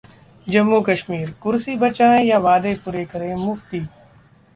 जम्मू-कश्मीर: कुर्सी बचाएं या वादे पूरे करें मुफ्ती